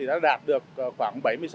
đã đạt được khoảng bảy mươi sáu